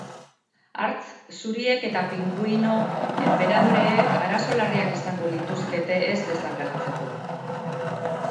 Hartz zuriek eta pinguino enperadoreek arazo larriak izango lituzkete ez desagertzeko.